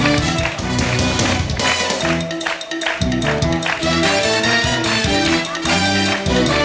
ไม่บอกก็รู้ว่าเป็นเพลงของคุณอาชายเมืองสิงหรือเปล่า